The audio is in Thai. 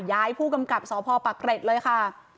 ย้ายผู้กำกับสพปักเกร็ดเลยค่ะ